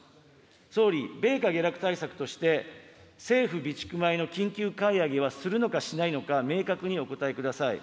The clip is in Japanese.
総理、米価下落対策として、政府備蓄米の緊急買い上げはするのかしないのか、明確にお答えください。